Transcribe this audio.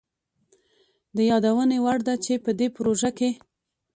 د يادوني وړ ده چي په دې پروژه کي